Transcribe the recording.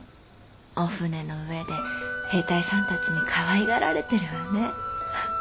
お船の上で兵隊さんたちにかわいがられてるわね。